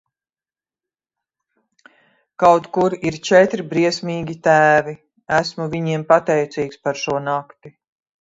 Kaut kur ir četri briesmīgi tēvi, esmu viņiem pateicīgs par šo nakti.